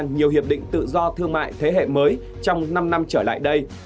nhiều hiệp định tự do thương mại thế hệ mới trong năm năm trở lại đây